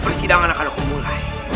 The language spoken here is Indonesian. persidangan akan aku mulai